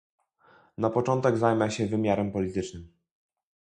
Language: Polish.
Na początek zajmę się wymiarem politycznym